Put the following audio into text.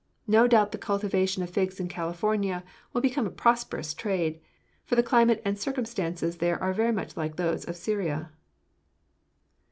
No doubt the cultivation of figs in California will become a prosperous trade, for the climate and circumstances there are much like those of Syria."